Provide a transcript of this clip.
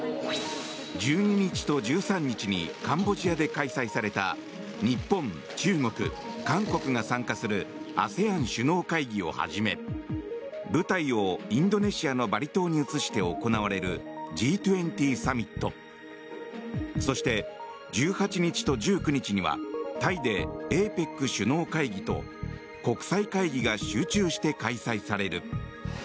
１２日と１３日にカンボジアで開催された日本、中国、韓国が参加するＡＳＥＡＮ首脳会議をはじめ舞台をインドネシアのバリ島に移して行われるＧ２０サミットそして、１８日と１９日にはタイでＡＰＥＣ首脳会議と国際会議が集中して開催される。